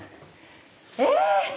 え